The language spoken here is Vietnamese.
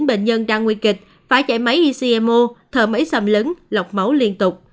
các bệnh nhân đang nguy kịch phải chạy máy ecmo thở máy xâm lứng lọc máu liên tục